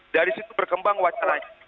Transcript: dari situ berkembang wacananya